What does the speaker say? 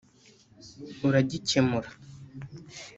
uragikemura